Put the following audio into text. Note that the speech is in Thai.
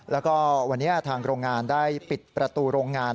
แล้วก็วันนี้ทางโรงงานได้ปิดประตูโรงงาน